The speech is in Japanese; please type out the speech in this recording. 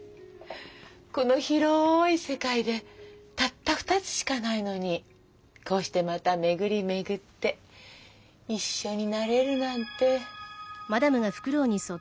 この広い世界でたった２つしかないのにこうしてまた巡り巡って一緒になれるなんて。